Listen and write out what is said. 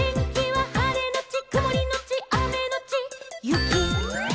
「はれのちくもりのちあめのちゆき」